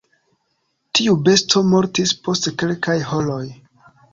Tiu besto mortis post kelkaj horoj.